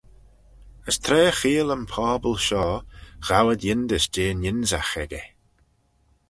As tra cheayll yn pobble shoh, ghow ad yindys jeh'n ynsagh echey.